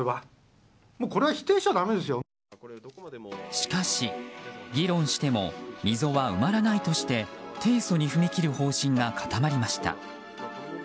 しかし、議論しても溝は埋まらないとして提訴に踏み切る方針が固まりました。